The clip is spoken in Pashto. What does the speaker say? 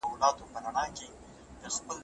عامه افکار په سياست کي مهم رول لري.